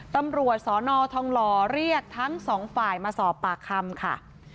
ตำรวจสนทองหล่อเรียกทั้งสองฝ่ายมาสอบปากคำค่ะ